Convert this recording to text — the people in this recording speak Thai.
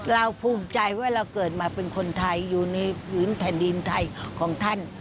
ภูมิใจว่าเราเกิดมาเป็นคนไทยอยู่ในพื้นแผ่นดินไทยของท่าน